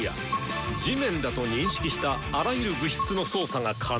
地面だと認識したあらゆる物質の操作が可能。